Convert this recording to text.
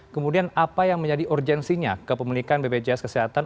kemudian apa yang menjadi urgensinya kepemilikan bpjs kesehatan